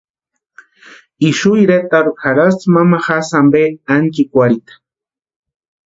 Ixu iretarhu jarhasti mamajasï ampe ánchikwarhita.